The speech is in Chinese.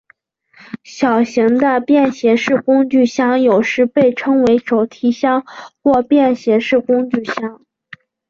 小型的便携式工具箱有时被称为手提箱或便携式工具箱。